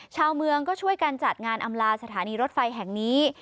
ชาวเมืองก็ช่วยกันจัดงานอำลาสถานีรถไฟแห่งนี้